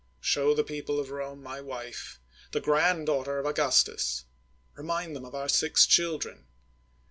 Show the people of Borne my wife, the granddaughter of Augustus; remind them of our six children.